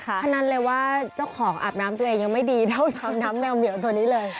พนันเลยว่าเจ้าของอาบน้ำตัวเองยังไม่ดีเท่าชาวน้ำแมวเหมียวตัวนี้เลย